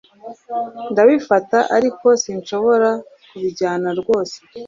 Ndabifata ariko sinshobora kubijyana rwose